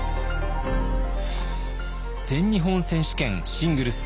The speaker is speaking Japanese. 全日本選手権シングルス